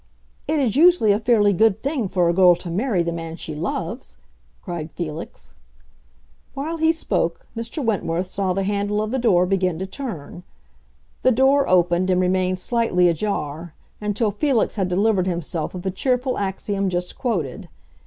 "It is usually a fairly good thing for a girl to marry the man she loves!" cried Felix. While he spoke, Mr. Wentworth saw the handle of the door begin to turn; the door opened and remained slightly ajar, until Felix had delivered himself of the cheerful axiom just quoted.